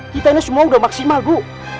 kita ini semua sudah maksimal bu